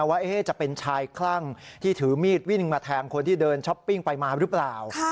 ว่าจะเป็นชายคลั่งที่ถือมีดวิ่งมาแทงคนที่เดินช้อปปิ้งไปมาหรือเปล่า